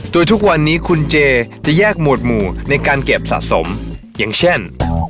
โดยทุกวันนี้คุณเจจะแยกหมวดหมู่ในการเก็บสะสมอย่างเช่น